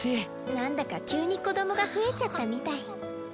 なんだか急に子どもが増えちゃったみたい。